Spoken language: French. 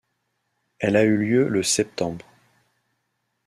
Elle a eu lieu le septembre.